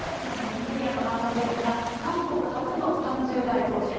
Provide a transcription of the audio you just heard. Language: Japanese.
メディアの反応ですが、韓国初の３０代党首。